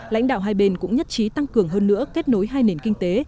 lãnh đạo hai bên cũng nhất trí tăng cường hơn nữa kết nối hai nền kinh tế